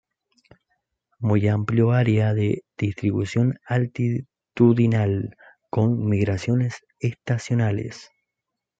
Muy amplio área de distribución altitudinal, con migraciones estacionales.